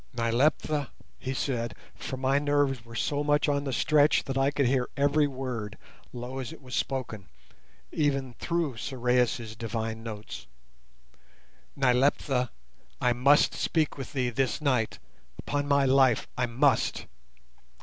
"Nyleptha," he said—for my nerves were so much on the stretch that I could hear every word, low as it was spoken, even through Sorais' divine notes—"Nyleptha, I must speak with thee this night, upon my life I must.